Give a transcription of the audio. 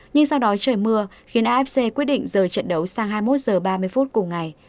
nhưng sau đó trời mưa khiến afc quyết định rời trận đấu sang hai mươi một h ba mươi phút cùng ngày